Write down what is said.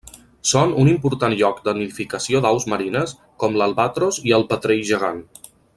Són un important lloc de nidificació d'aus marines com l'albatros i el petrell gegant.